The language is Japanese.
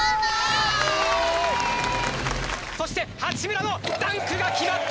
そして八村のダンクが決まった！